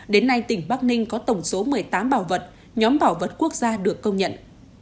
đến nay tỉnh bắc ninh có tổng số một mươi tám bảo vật nhóm bảo vật quốc gia được công nhận